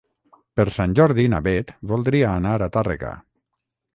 Per Sant Jordi na Beth voldria anar a Tàrrega.